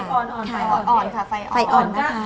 อ่อนค่ะไฟอ่อนนะคะ